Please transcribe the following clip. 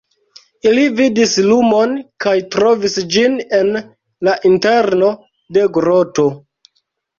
Ili vidis lumon kaj trovis ĝin en la interno de groto.